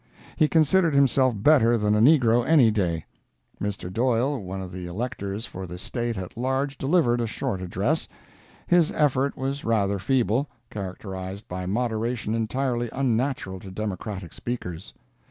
He considered himself better than a negro any day. Mr. Doyle, one of the Electors for the State at large, delivered a short address. His effort was rather feeble, characterized by moderation entirely unnatural to Democratic speakers.